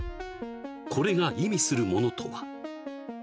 これが意味するものとは？